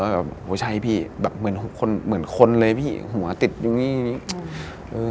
พระหัวพี่เหมือนคนเลยพี่หัวติดอยู่นี่